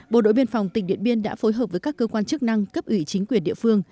bộ đội biên phòng tỉnh điện biên đã phối hợp với các cơ quan chức năng cấp ủy chính quyền địa phương